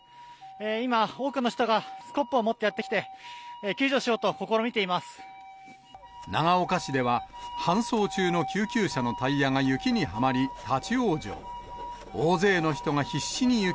今、多くの人がスコップを持ってやって来て、長岡市では、搬送中の救急車のタイヤが雪にはまり、立往生。